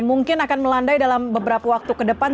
mungkin akan melandai dalam beberapa waktu ke depan